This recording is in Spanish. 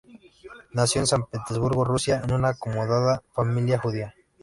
Nació en San Petersburgo, Rusia, en una acomodada familia judía.